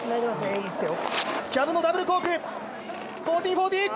キャブのダブルコーク１４４０